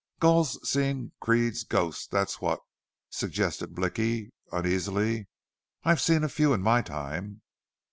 "Gul's seen Creede's ghost, thet's what," suggested Blicky, uneasily. "I've seen a few in my time."